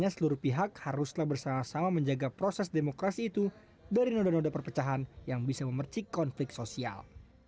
seluruh pihak haruslah bersama sama menjaga proses demokrasi itu dari noda noda perpecahan yang bisa memercik konflik sosial